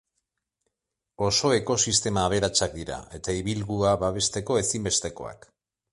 Oso ekosistema aberatsak dira eta ibilgua babesteko ezinbestekoak.